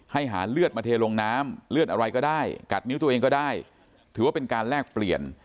หาเลือดมาเทลงน้ำเลือดอะไรก็ได้กัดนิ้วตัวเองก็ได้ถือว่าเป็นการแลกเปลี่ยน